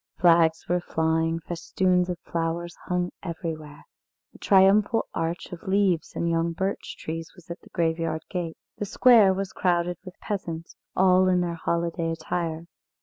Flags were flying, festoons of flowers hung everywhere. A triumphal arch of leaves and young birch trees was at the graveyard gate. The square was crowded with the peasants, all in their holiday attire.